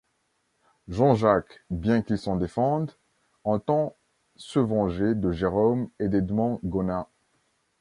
Jean-Jacques, bien qu'il s'en défende, entend se venger de Jérôme et d'Edmond Gonin.